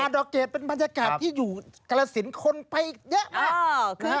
หาดดอกเกดเป็นบรรยากาศที่อยู่กาลสินคนให้เยอะมาก